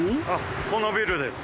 このビルです。